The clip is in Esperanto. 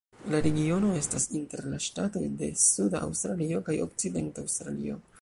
La regiono estas inter la ŝtatoj de Suda Aŭstralio kaj Okcidenta Aŭstralio.